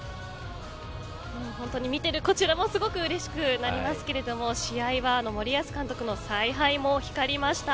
本当に見てるこちらもすごくうれしくなりますけれども試合は森保監督の采配も光りました。